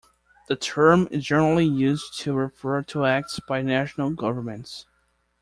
The term is generally used to refer to acts by national governments.